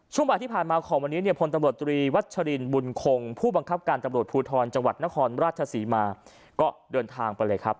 บ่ายที่ผ่านมาของวันนี้เนี่ยพลตำรวจตรีวัชรินบุญคงผู้บังคับการตำรวจภูทรจังหวัดนครราชศรีมาก็เดินทางไปเลยครับ